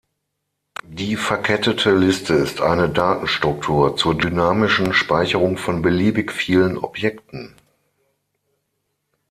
Die verkettete Liste ist eine Datenstruktur zur dynamischen Speicherung von beliebig vielen Objekten.